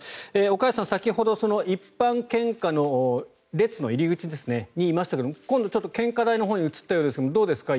岡安さん、先ほど一般献花の列の入り口にいましたが今度ちょっと献花台のほうに移ったようですがどうですか？